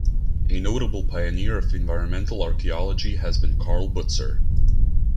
A notable pioneer of environmental archaeology has been Karl Butzer.